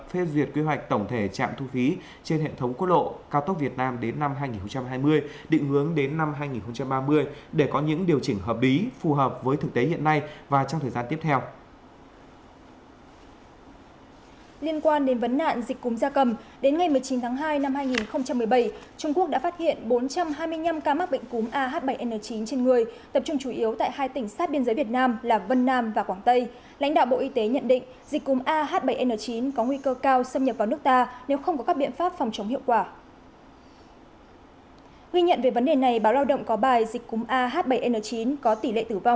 huy nhận về vấn đề này báo lao động có bài dịch cúm ah bảy n chín có tỷ lệ tử vong bốn mươi áp sát biên giới